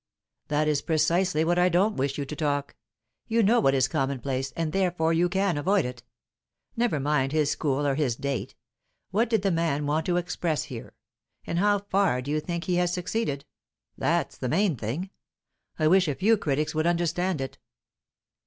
"That is precisely what I don't wish you to talk. You know what is commonplace, and therefore you can avoid it. Never mind his school or his date. What did the man want to express here, and how far do you think he has succeeded? That's the main thing; I wish a few critics would understand it."